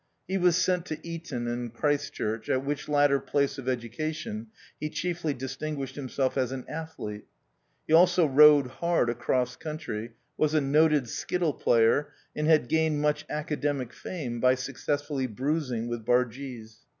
He was sent to Eton and Christchurch, at which latter place of education he chiefly distinguished himself as an athlete ; he also rode hard across country, was a noted skittle player, and had gained much aca demic fame by successfully bruising with bargees.